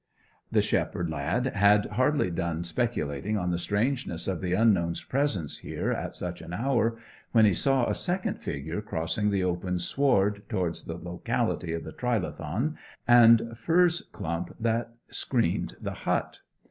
The shepherd lad had hardly done speculating on the strangeness of the unknown's presence here at such an hour, when he saw a second figure crossing the open sward towards the locality of the trilithon and furze clump that screened the hut.